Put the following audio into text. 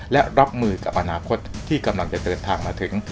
และรับมือกับอนาคตที่กำลังจะเดินทางมาถึง